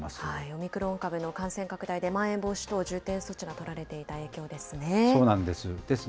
オミクロン株の感染拡大でまん延防止等重点措置がとられていそうなんです。